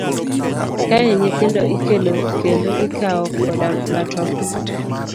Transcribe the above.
Kae nyithindo ikelo kendo ikawo koda matoka.